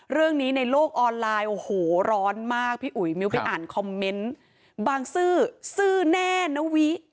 ในโลกออนไลน์โอ้โหร้อนมากพี่อุ๋ยมิ้วไปอ่านคอมเมนต์บางซื่อซื่อแน่นะวิ